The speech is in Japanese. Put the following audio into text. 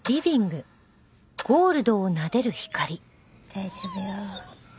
大丈夫よ。